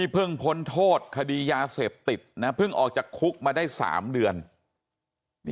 เพิ่งพ้นโทษคดียาเสพติดนะเพิ่งออกจากคุกมาได้๓เดือน